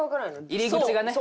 入り口がね。